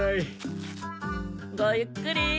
ごゆっくり。